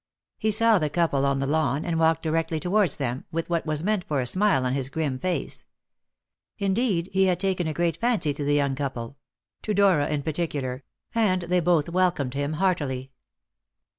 He saw the couple on the lawn, and walked directly towards them, with what was meant for a smile on his grim face. Indeed, he had taken a great fancy to the young couple to Dora in particular and they both welcomed him heartily.